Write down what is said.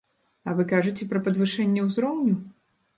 А вы кажаце пра падвышэнне ўзроўню?